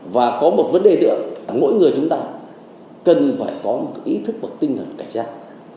và có một vấn đề nữa là mỗi người chúng ta cần phải có một ý thức và tinh thần cảnh giác